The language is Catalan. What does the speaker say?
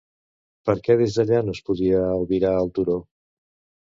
Per què des d'allà no es podia albirar el turó?